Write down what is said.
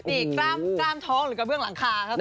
นี่กล้ามท้องหรือกระเบื้องหลังคาครับ